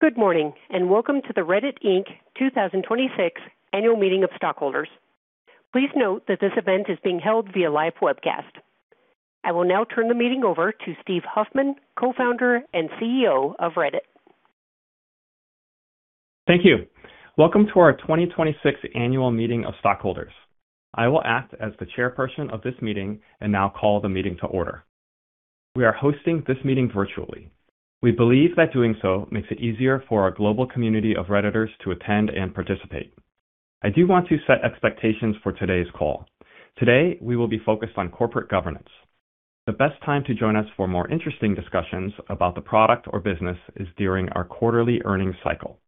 Good morning, and welcome to the Reddit Inc 2026 Annual Meeting of Stockholders. Please note that this event is being held via live webcast. I will now turn the meeting over to Steve Huffman, Co-founder and CEO of Reddit. Thank you. Welcome to our 2026 Annual Meeting of Stockholders. I will act as the chairperson of this meeting and now call the meeting to order. We are hosting this meeting virtually. We believe that doing so makes it easier for our global community of Redditors to attend and participate. I do want to set expectations for today's call. Today, we will be focused on corporate governance. The best time to join us for more interesting discussions about the product or business is during our quarterly earnings cycle,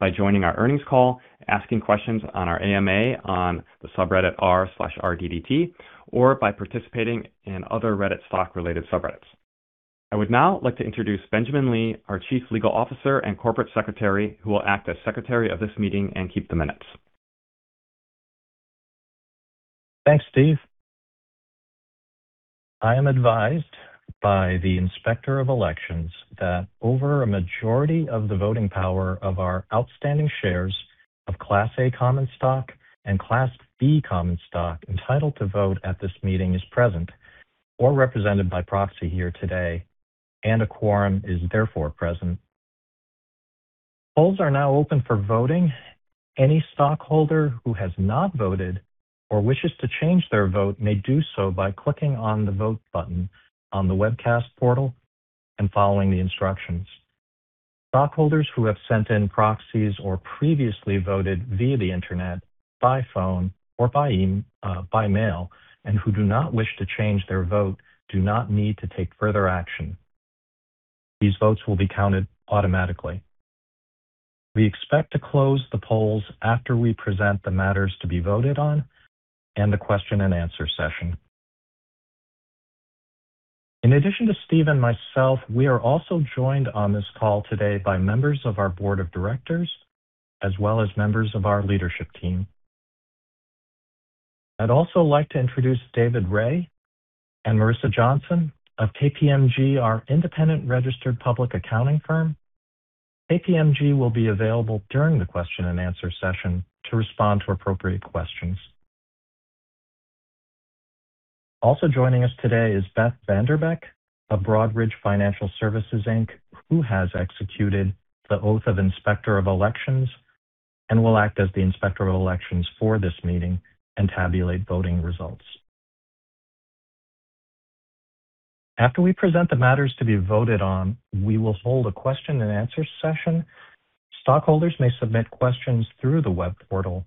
by joining our earnings call, asking questions on our AMA on the subreddit r/RDDT, or by participating in other Reddit stock-related subreddits. I would now like to introduce Benjamin Lee, our Chief Legal Officer and Corporate Secretary, who will act as secretary of this meeting and keep the minutes. Thanks, Steve. I am advised by the Inspector of Elections that over a majority of the voting power of our outstanding shares of Class A common stock and Class B common stock entitled to vote at this meeting is present or represented by proxy here today, and a quorum is therefore present. Polls are now open for voting. Any stockholder who has not voted or wishes to change their vote may do so by clicking on the vote button on the webcast portal and following the instructions. Stockholders who have sent in proxies or previously voted via the Internet, by phone, or by mail and who do not wish to change their vote do not need to take further action. These votes will be counted automatically. We expect to close the polls after we present the matters to be voted on and the question and answer session. In addition to Steve and myself, we are also joined on this call today by members of our Board of Directors as well as members of our Leadership Team. I'd also like to introduce David Ray and Marissa Johnson of KPMG, our independent registered public accounting firm. KPMG will be available during the question and answer session to respond to appropriate questions. Also joining us today is Beth Vanderbee of Broadridge Financial Solutions, Inc, who has executed the oath of Inspector of Elections and will act as the Inspector of Elections for this meeting and tabulate voting results. After we present the matters to be voted on, we will hold a question and answer session. Stockholders may submit questions through the web portal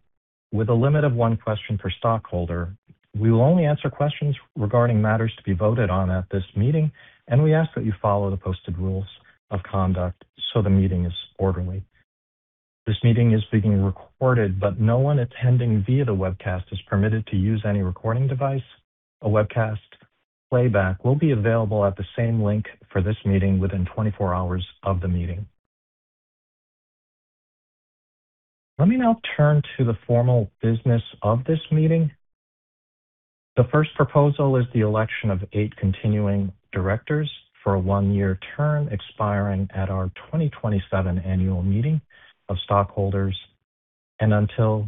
with a limit of one question per stockholder. We will only answer questions regarding matters to be voted on at this meeting. We ask that you follow the posted rules of conduct so the meeting is orderly. This meeting is being recorded, but no one attending via the webcast is permitted to use any recording device. A webcast playback will be available at the same link for this meeting within 24 hours of the meeting. Let me now turn to the formal business of this meeting. The first proposal is the election of eight continuing directors for a one-year term expiring at our 2027 annual meeting of stockholders and until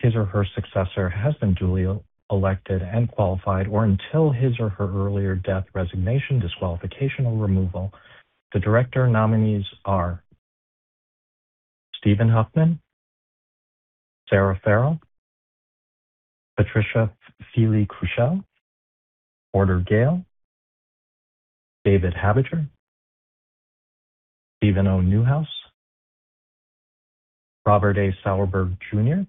his or her successor has been duly elected and qualified or until his or her earlier death, resignation, disqualification, or removal. The director nominees are Steven Huffman, Sarah Farrell, Patricia Fili-Krushel, Porter Gale, David Habiger, Steven O. Newhouse, Robert A. Sauerberg Jr.,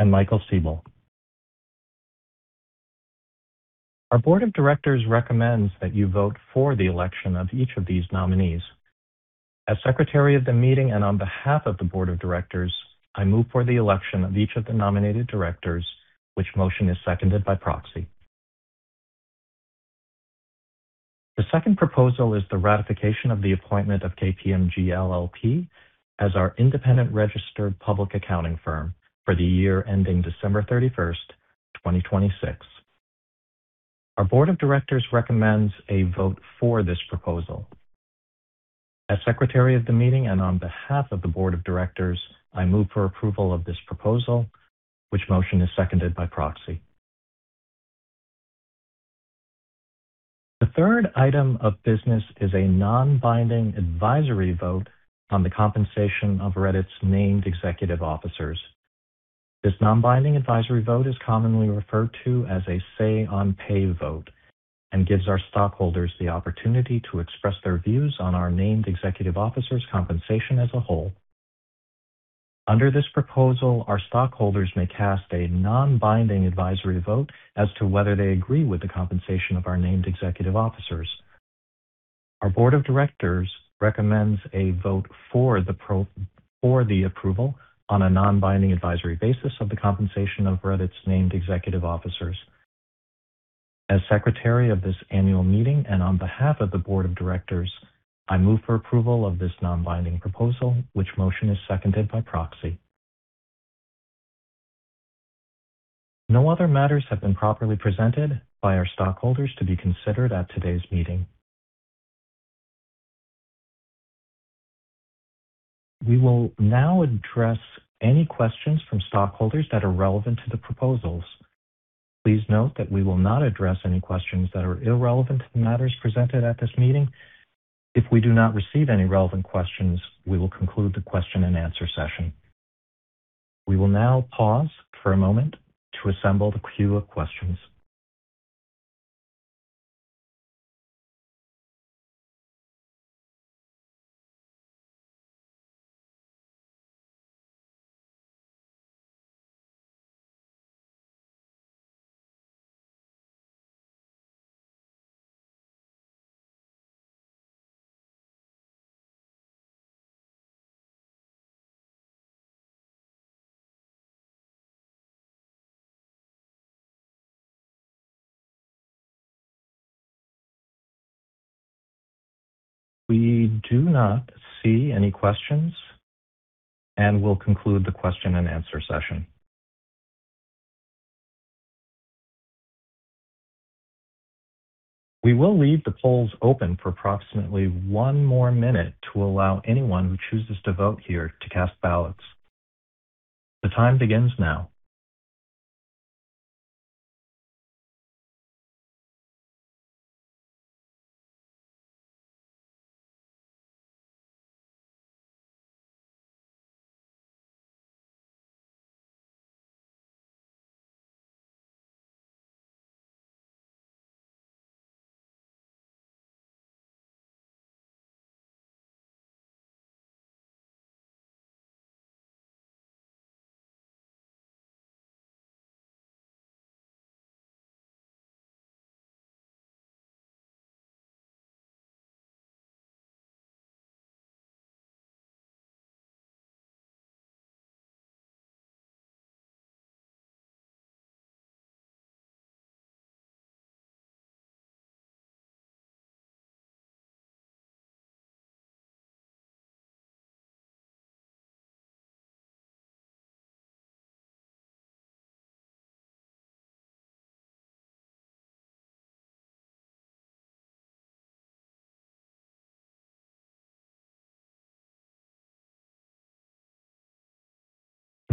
and Michael Seibel. Our board of directors recommends that you vote for the election of each of these nominees. As secretary of the meeting and on behalf of the board of directors, I move for the election of each of the nominated directors, which motion is seconded by proxy. The second proposal is the ratification of the appointment of KPMG LLP as our independent registered public accounting firm for the year ending December 31st, 2026. Our board of directors recommends a vote for this proposal. As secretary of the meeting and on behalf of the board of directors, I move for approval of this proposal, which motion is seconded by proxy. The third item of business is a non-binding advisory vote on the compensation of Reddit's named executive officers. This non-binding advisory vote is commonly referred to as a say on pay vote. It gives our stockholders the opportunity to express their views on our named executive officers' compensation as a whole. Under this proposal, our stockholders may cast a non-binding advisory vote as to whether they agree with the compensation of our named executive officers. Our board of directors recommends a vote for the approval on a non-binding advisory basis of the compensation of Reddit's named executive officers. As secretary of this annual meeting and on behalf of the board of directors, I move for approval of this non-binding proposal, which motion is seconded by proxy. No other matters have been properly presented by our stockholders to be considered at today's meeting. We will now address any questions from stockholders that are relevant to the proposals. Please note that we will not address any questions that are irrelevant to the matters presented at this meeting. If we do not receive any relevant questions, we will conclude the question and answer session. We will now pause for a moment to assemble the queue of questions. We do not see any questions. We will conclude the question and answer session. We will leave the polls open for approximately one more minute to allow anyone who chooses to vote here to cast ballots. The time begins now.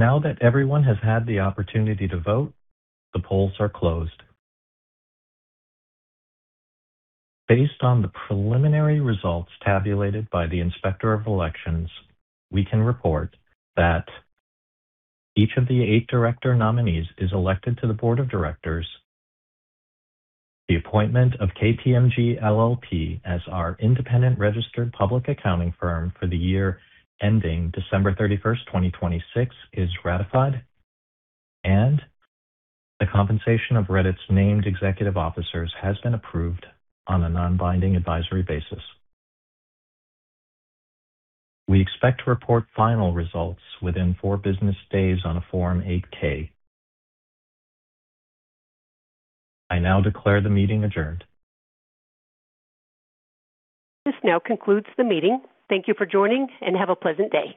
Now that everyone has had the opportunity to vote, the polls are closed. Based on the preliminary results tabulated by the Inspector of Elections, we can report that each of the eight director nominees is elected to the board of directors, the appointment of KPMG LLP as our independent registered public accounting firm for the year ending December 31st, 2026 is ratified, and the compensation of Reddit's named executive officers has been approved on a non-binding advisory basis. We expect to report final results within four business days on a Form 8-K. I now declare the meeting adjourned. This now concludes the meeting. Thank you for joining, have a pleasant day.